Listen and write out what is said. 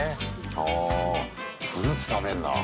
ああフルーツ食べんだ。